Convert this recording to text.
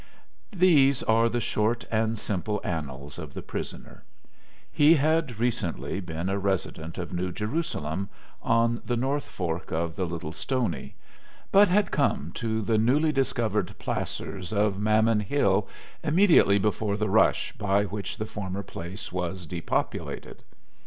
These are the short and simple annals of the prisoner: He had recently been a resident of New Jerusalem, on the north fork of the Little Stony, but had come to the newly discovered placers of Mammon Hill immediately before the "rush" by which the former place was depopulated.